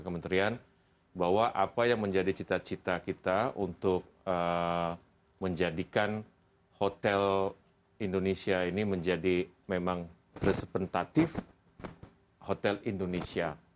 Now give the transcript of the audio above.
kementerian bahwa apa yang menjadi cita cita kita untuk menjadikan hotel indonesia ini menjadi memang reseptatif hotel indonesia